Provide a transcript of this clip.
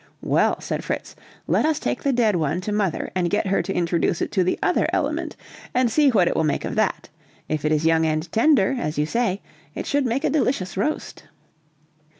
"Well," said Fritz, "let us take the dead one to mother and get her to introduce it to the other element, and see what it will make of that; if it is young and tender, as you say, it should make a delicious roast."